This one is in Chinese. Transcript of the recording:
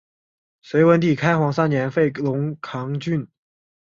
隋文帝开皇三年废龙亢郡。